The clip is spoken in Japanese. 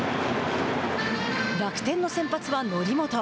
楽天の先発は則本。